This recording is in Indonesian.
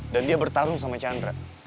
dan dia bertarung sama chandra